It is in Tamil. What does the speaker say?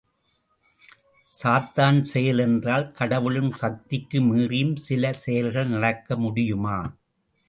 சாத்தான் செயல் என்றால் கடவுளின சக்திக்கு மீறியும் சில செயல்கள் நடக்க முடியுமா?